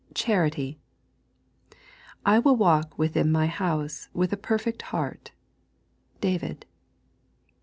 CHARITY 'I will walk within my house with a perfect heart.' David.